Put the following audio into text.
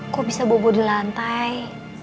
kok bisa bubur di lantai